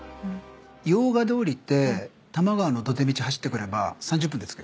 用賀で降りて多摩川の土手道走って来れば３０分で着くよ。